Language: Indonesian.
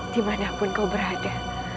dimanapun kau berada